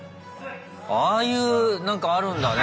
ああいうなんかあるんだね。